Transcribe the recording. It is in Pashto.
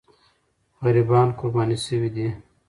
غریبان قرباني سوي دي.